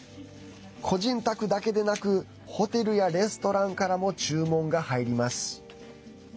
個人宅だけでなくホテルやレストランからも注文が入ります。